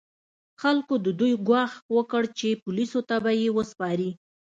خلکو د دوی ګواښ وکړ چې پولیسو ته به یې وسپاري.